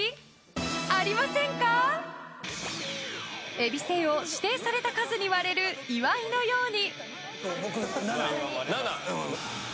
えびせんを指定された数に割れる岩井のように。